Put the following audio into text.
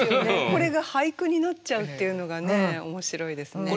これが俳句になっちゃうっていうのがね面白いですね。